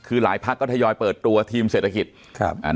คือหลายพักก็ทยอยเปิดตัวทีมเศรษฐกิจ